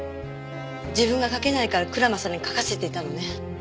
自分が書けないから蔵間さんに書かせていたのね？